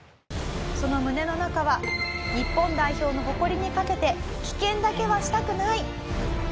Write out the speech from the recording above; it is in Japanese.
その胸の中は日本代表の誇りにかけて棄権だけはしたくない！